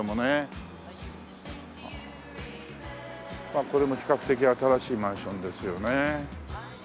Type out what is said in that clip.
まあこれも比較的新しいマンションですよね。